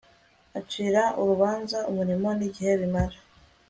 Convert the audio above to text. Acira urubanza umurimo nigihe bimara